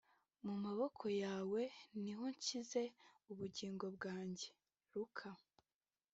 mu maboko yawe ni ho nshyize ubugingo bwanjye (Luka )